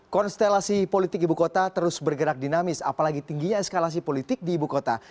konstelasi politik ibu kota terus bergerak dinamis apalagi tingginya eskalasi politik di ibu kota